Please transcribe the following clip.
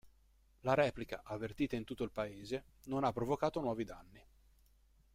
La replica, avvertita in tutto il paese, non ha provocato nuovi danni.